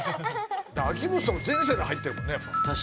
秋元さん全世代入ってるもんね。